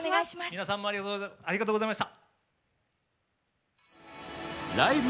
皆さんもありがとうございました。